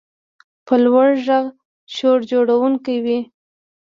په لوړ غږ شور جوړونکی وي.